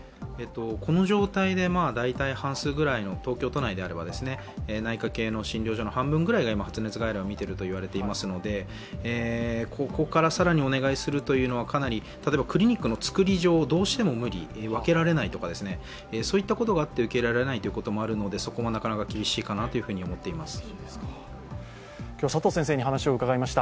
この状態で、大体半数ぐらいの東京都内であれば内科系の診療所の半分ぐらいが発熱外来を診ていると言われますのでここから更にお願いするというのはクリニックの作り上、どうしても無理わけられないとか、そういったことがあって受け入れられないこともあってそこはなかなか厳しいかなと思っています。